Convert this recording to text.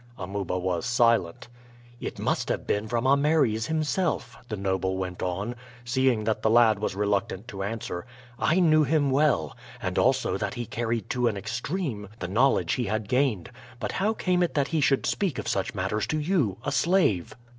Amuba was silent. "It must have been from Ameres himself," the noble went on, seeing that the lad was reluctant to answer. "I knew him well, and also that he carried to an extreme the knowledge he had gained. But how came it that he should speak of such matters to you a slave?"